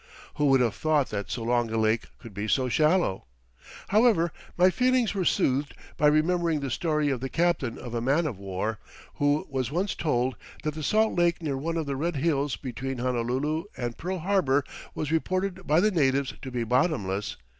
Who would have thought that so long a lake could be so shallow? However, my feelings were soothed by remembering the story of the captain of a man of war who was once told that the salt lake near one of the red hills between Honolulu and Pearl Harbor was reported by the natives to be "bottomless."